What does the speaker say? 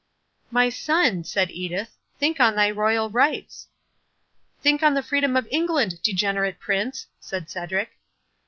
"My son," said Edith, "think on thy royal rights!" "Think on the freedom of England, degenerate Prince!" said Cedric.